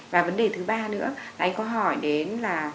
và vấn đề thứ ba nữa anh có hỏi đến là